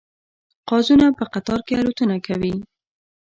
قازونه په قطار کې الوتنه کوي